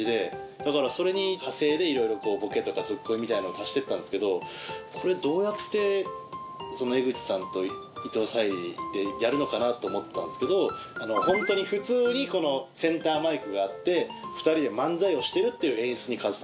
だからそれに派生でいろいろボケとかツッコミみたいなのを足してったんですけどこれどうやって江口さんと伊藤沙莉でやるのかなと思ってたんですけどホントに普通にセンターマイクがあって２人で漫才をしてるっていう演出に変わってたんですよ。